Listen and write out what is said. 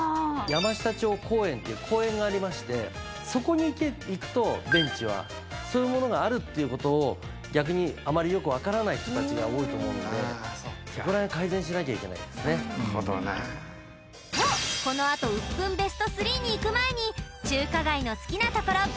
山下町公園っていう公園がありましてそこに行くとそういうものがあるっていうことを逆にあまりよく分からない人達が多いと思うのでそこらへん改善しなきゃいけないですねとこのあとウップンＢＥＳＴ３にいく前に第５位